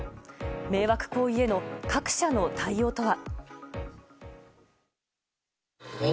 迷惑行為への各社の対応とは。